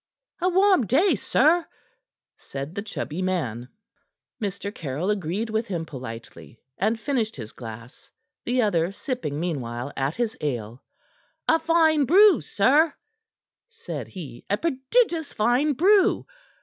"A warm day, sir," said the chubby man. Mr. Caryll agreed with him politely, and finished his glass, the other sipping meanwhile at his ale. "A fine brew, sir," said he. "A prodigious fine brew!